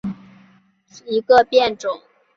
宽裂北乌头为毛茛科乌头属下的一个变种。